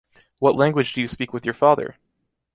What language do you speak with your father?